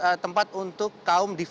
terkait tempat untuk kaum di vajra